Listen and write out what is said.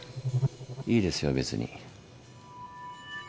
いいですよべつに。